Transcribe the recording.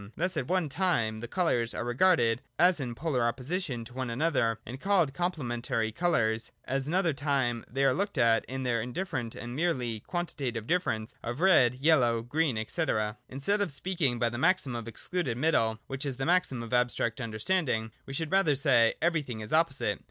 Thus at one time the colours are regarded as in polar opposition to one another, and called complementary colours : at an other time they are looked at in their indifferent and merely quantitative difference of red, yellow, green, &c. (2) Instead of speaking by the maxim of Excluded Middle (which is the maxim of abstract understanding) we should rather say : Everything is opposite.